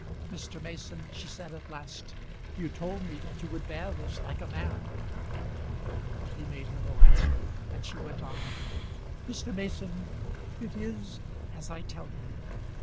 "Mr. Mason," she said at last, "you told me that you would bear this like a man." But he made her no answer, and she went on. "Mr. Mason, it is, as I tell you.